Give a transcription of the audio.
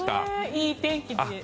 いい天気で。